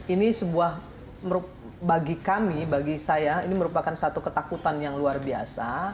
ini sebuah bagi kami bagi saya ini merupakan satu ketakutan yang luar biasa